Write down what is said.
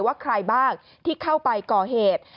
ว่าใครบ้างที่เข้าไปก่อเหตุ